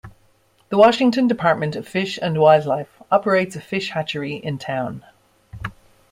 The Washington Department of Fish and Wildlife operates a fish hatchery in town.